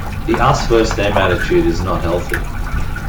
The "us versus them" attitude is not healthy.